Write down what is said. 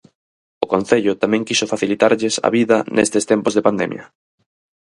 O concello tamén quixo facilitarlles a vida neste tempos de pandemia.